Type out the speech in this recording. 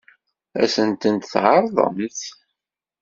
Ad sent-tent-tɛeṛḍemt?